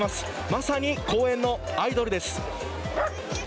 まさに公園のアイドルです。